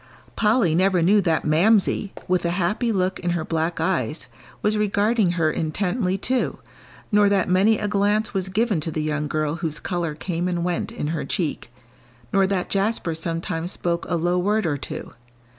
Polly never knew that Mamsie, with a happy look in her black eyes, was regarding her intently, too, nor that many a glance was given to the young girl whose colour came and went in her cheek, nor that Jasper sometimes spoke a low word or two.